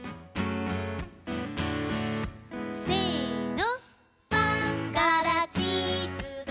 せの。